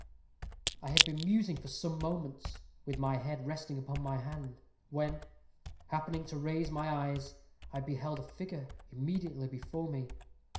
"I had been musing for some moments, with my head resting upon my hand, when, happening to raise my eyes, I beheld a figure immediately before me.